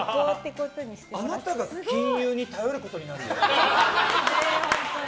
あなたが金融に頼ることになるよ。